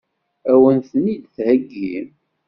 Ad wen-ten-id-theggi?